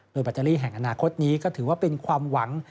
โดยแบตเตอรี่แห่งอนาคตนี้ก็ถือว่าเป็นความหวัง